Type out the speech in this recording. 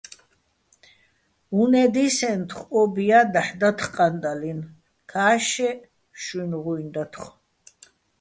უ̂ნე́ დისენთხო̆, ო́ბია́ დაჰ̦ დათხო̆ ყანდაჲლნუჲ, ქა́შშეჸ შუჲნი̆ ღუჲნი დათხო̆.